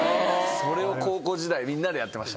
それを高校時代みんなでやってた。